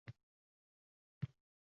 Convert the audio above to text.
Bu, ayolning sha’niga yaxshi gap emas.